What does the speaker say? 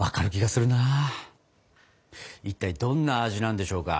いったいどんな味なんでしょうか？